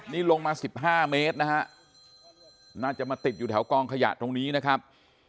นี่ลงมา๑๕เมตรนะฮะน่าจะมาติดอยู่แถวกองขยะตรงนี้นะครับ